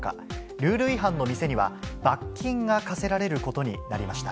ルール違反の店には、罰金が科せられることになりました。